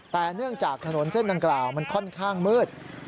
แต่เนื่องจากถนนเส้นดังกล่าวมันค่อนข้างมืด